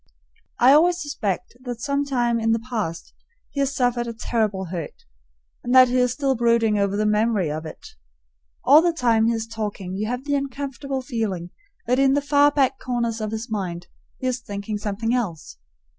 I always suspect that sometime in the past he has suffered a terrible hurt, and that he is still brooding over the memory of it. All the time he is talking you have the uncomfortable feeling that in the far back corners of his mind he is thinking something else.